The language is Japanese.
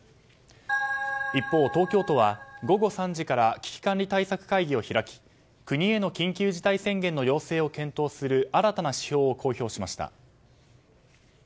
一方、東京都は午後３時から危機管理対策会議を開き国への緊急事態宣言の要請を検討する新たな指標を公表しました。